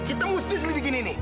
kita mesti sendiri bikin ini